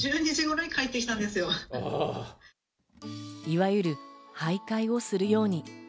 いわゆる徘徊をするように。